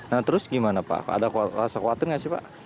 nah terus gimana pak ada rasa khawatir nggak sih pak